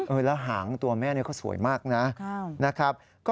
โอ้หางแล้วหางตัวแม่ก็สวยมากนะ